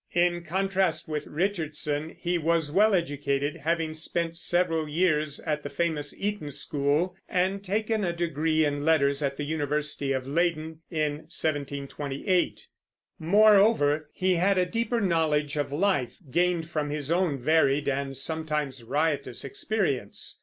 In contrast with Richardson, he was well educated, having spent several years at the famous Eton school, and taken a degree in letters at the University of Leyden in 1728. Moreover, he had a deeper knowledge of life, gained from his own varied and sometimes riotous experience.